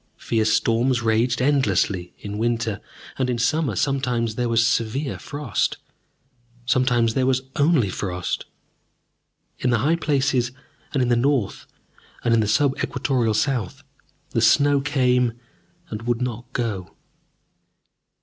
Fierce storms raged endlessly in winter, and in summer sometimes there was severe frost, sometimes there was only frost. In the high places and in the north and the sub equatorial south, the snow came and would not go.